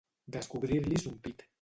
Descobrir-li son pit.